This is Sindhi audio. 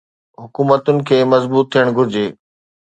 حڪومتن کي مضبوط ٿيڻ گهرجي.